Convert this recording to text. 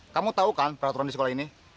kamu tahu kan peraturan di sekolah ini